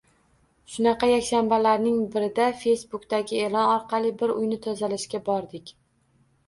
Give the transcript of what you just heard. Shunaqa yakshanbalarning birida Facebookdagi eʼlon orqali bir uyni tozalashga bordik.